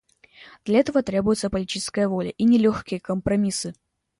Для этого требуются политическая воля и нелегкие компромиссы.